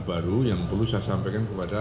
baru yang perlu saya sampaikan kepada